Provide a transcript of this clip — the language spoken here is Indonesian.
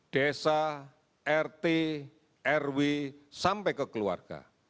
desa rt rw sampai ke keluarga